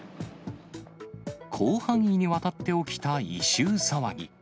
広範囲にわたって起きた異臭騒ぎ。